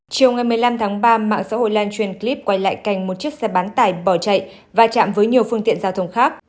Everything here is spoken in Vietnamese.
chiều ngày một mươi năm tháng ba mạng xã hội lan truyền clip quay lại cảnh một chiếc xe bán tải bỏ chạy và chạm với nhiều phương tiện giao thông khác